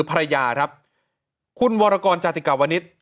ภรรยาครับคุณวรกรจาติกาวนิษฐ์